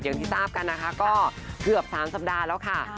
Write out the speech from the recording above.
อย่างที่ทราบกันนะคะก็เกือบ๓สัปดาห์แล้วค่ะ